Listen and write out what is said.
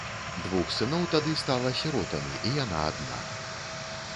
Двух сыноў тады стала сіротамі і яна адна.